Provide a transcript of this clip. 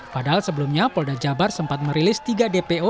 padahal sebelumnya polda jabar sempat merilis tiga dpo